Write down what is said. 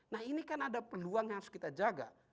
nah ini kan ada peluang yang harus kita jaga